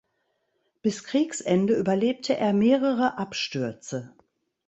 Bis Kriegsende überlebte er mehrere Abstürze.